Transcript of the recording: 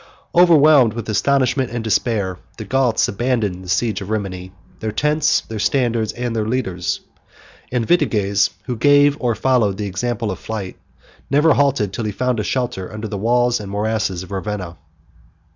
Overwhelmed with astonishment and despair, the Goths abandoned the siege of Rimini, their tents, their standards, and their leaders; and Vitiges, who gave or followed the example of flight, never halted till he found a shelter within the walls and morasses of Ravenna.